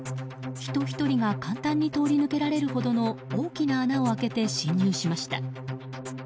人１人が簡単に通り抜けられるほどの大きな穴を開けて侵入しました。